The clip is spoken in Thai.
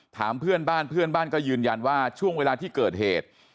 ถามเพื่อนบ้านเพื่อนบ้านก็ยืนยันว่าช่วงเวลาที่เกิดเหตุ